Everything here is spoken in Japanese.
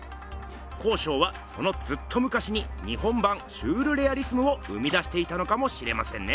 康勝はそのずっとむかしに日本版シュールレアリスムを生み出していたのかもしれませんね。